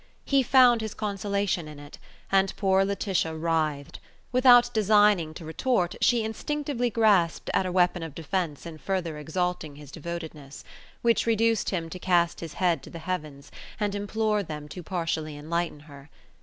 He found his consolation in it, and poor Laetitia writhed. Without designing to retort, she instinctively grasped at a weapon of defence in further exalting his devotedness; which reduced him to cast his head to the heavens and implore them to partially enlighten her.